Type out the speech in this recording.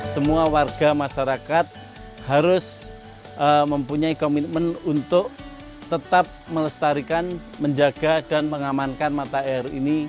semua warga masyarakat harus mempunyai komitmen untuk tetap melestarikan menjaga dan mengamankan mata air ini